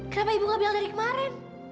kenapa ibu gak bilang dari kemarin